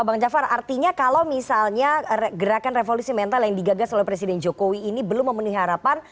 bang jafar artinya kalau misalnya gerakan revolusi mental yang digagas oleh presiden jokowi ini belum memenuhi harapan